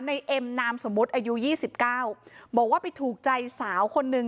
ในเอ็มนามสมมติอายุ๒๙บอกว่าไปถูกใจสาวคนนึง